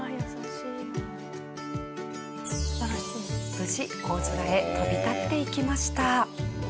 無事大空へ飛び立っていきました。